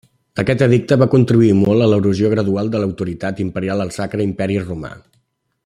Aquest edicte va contribuir molt a l'erosió gradual de l'autoritat imperial al Sacre Imperi Romà.